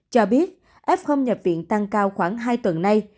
cho biết f nhập viện tăng cao khoảng hai tuần nay